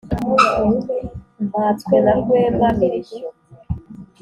Mpatswe na Rwenda-mirishyo.